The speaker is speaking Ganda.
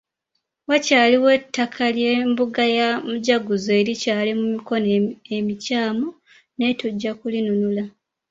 Wakyaliwo ettaka ly’embuga ya Mujaguzo erikyali mu mikono emikyamu naye tujja kulinunula.